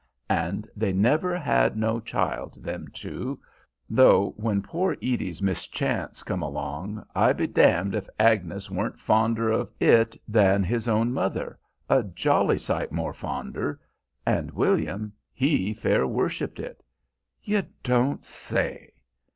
And they never had no child, them two, though when poor Edie's mischance come along I be damned if Agnes weren't fonder of it than its own mother, a jolly sight more fonder, and William he fair worshipped it." "You don't say!"